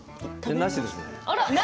なしですね。